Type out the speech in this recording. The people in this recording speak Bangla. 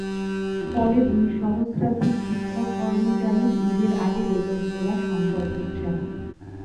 ফলে দুই সহস্রাধিক শিক্ষক-কর্মচারীর ঈদের আগে বেতন তোলা সম্ভব হচ্ছে না।